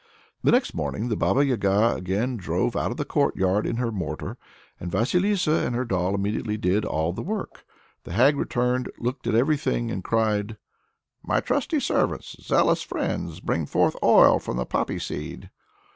The next morning the Baba Yaga again drove out of the courtyard in her mortar, and Vasilissa and her doll immediately did all the work. The hag returned, looked at everything, and cried, "My trusty servants, zealous friends, press forth oil from the poppy seed!"